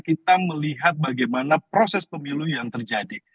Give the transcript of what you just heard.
kita melihat bagaimana proses pemilu yang terjadi